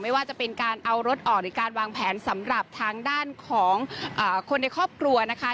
ว่าจะเป็นการเอารถออกหรือการวางแผนสำหรับทางด้านของคนในครอบครัวนะคะ